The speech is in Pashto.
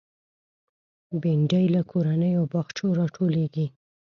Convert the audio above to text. بېنډۍ له کورنیو باغچو راټولېږي